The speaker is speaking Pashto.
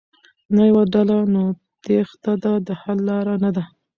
نه يوه ډله ،نو تېښته د حل لاره نه ده.